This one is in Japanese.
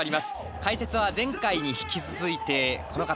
解説は前回に引き続いてこの方